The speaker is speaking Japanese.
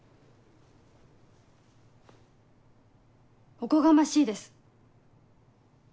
おこがましいです。